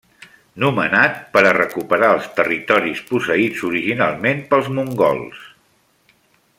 Nomenat per a recuperar els territoris posseïts originalment pels mongols.